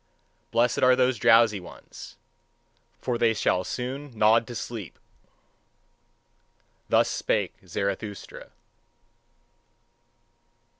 Blessed are those drowsy ones: for they shall soon nod to sleep. Thus spake Zarathustra.